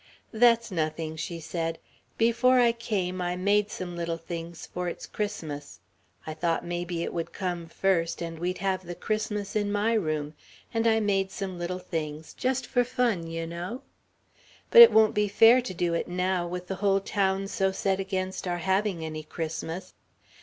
"That's nothing," she said; "before I came I made some little things for its Christmas. I thought maybe it would come first, and we'd have the Christmas in my room, and I made some little things just for fun, you know. But it won't be fair to do it now, with the whole town so set against our having any Christmas.